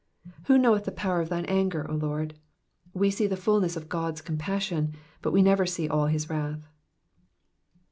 Who knoweth the power of thine anger, O Lord? We see the fulness of God^s compassion, but we never see all his wrath.